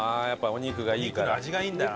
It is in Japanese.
お肉の味がいいんだな。